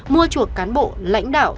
mua chuột cán bộ lãnh đạo